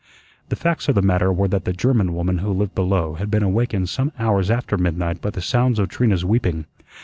The facts of the matter were that the German woman who lived below had been awakened some hours after midnight by the sounds of Trina's weeping.